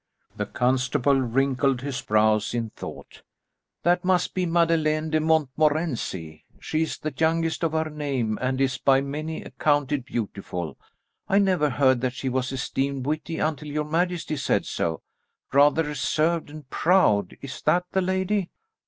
The constable wrinkled his brows in thought. "That must be Madeleine de Montmorency. She is the youngest of her name, and is by many accounted beautiful. I never heard that she was esteemed witty until your majesty said so. Rather reserved and proud. Is that the lady?"